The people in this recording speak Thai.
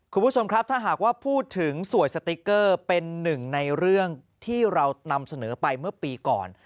คุณผู้ชมครับถ้าหากว่าพูดถึงสวยสติ๊กเกอร์เป็นหนึ่งในเรื่องที่เรานำเสนอไปเมื่อปีก่อน